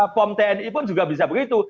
pom tni pun juga bisa begitu